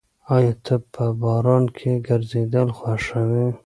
ایا ته په باران کې ګرځېدل خوښوې؟